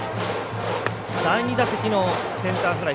第２打席のセンターフライ